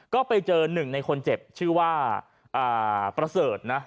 ก็ไปเจอหนึ่งในคนเจ็บชื่อว่าประเสริฐนะ